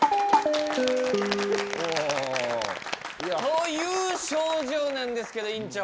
という症状なんですけど院長。